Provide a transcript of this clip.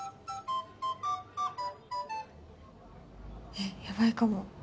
えっヤバいかも。